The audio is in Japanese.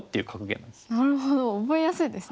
なるほど覚えやすいですね。